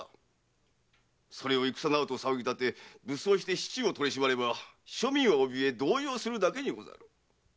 それを戦などと騒ぎ立て武装して市中を取り締まれば庶民はおびえ動揺するだけにござる。